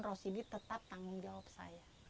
rasidi tetap tanggung jawab saya